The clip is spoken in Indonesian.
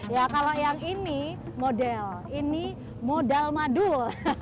ya kalau yang ini model ini modal madul